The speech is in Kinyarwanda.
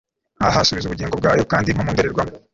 Ah subiza ubugingo bwayo kandi nko mu ndorerwamo